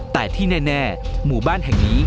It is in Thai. แต่ที่แน่หมู่บ้านแห่งนี้